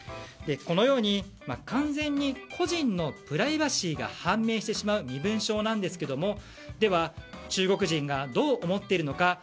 このように完全に個人のプライバシーが判明してしまう身分証なんですがでは、中国人がどう思っているのか